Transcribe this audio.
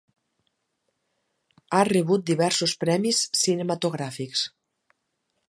Ha rebut diversos premis cinematogràfics.